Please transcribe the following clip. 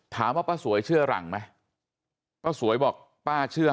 ถามว่าป้าสวยเชื่อรังไหมป้าสวยบอกป้าเชื่อ๕๐๕๐